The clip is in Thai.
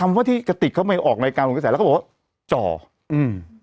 คำว่าที่ติดเขาไหมออกมาอีกกว่าจ่ออือ